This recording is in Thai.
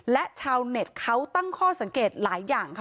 และชาวเน็ตเขาตั้งข้อสังเกตหลายอย่างค่ะ